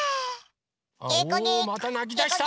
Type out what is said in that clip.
おまたなきだした！